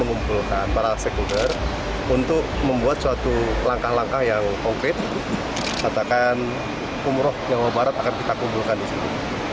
umrah jawa barat akan kita kumpulkan di sini